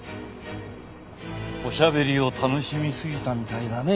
おしゃべりを楽しみすぎたみたいだね。